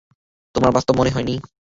তোমার বাস্তব মনে হয় নি?